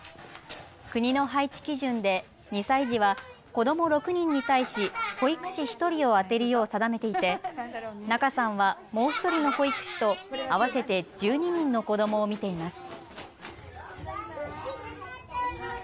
国の配置基準で２歳児は子ども６人に対し、保育士１人を充てるよう定めていて仲さんはもう１人の保育士と合わせて１２人の子どもを見ています。